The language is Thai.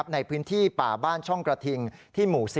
ในพื้นที่ป่าบ้านช่องกระทิงที่หมู่๔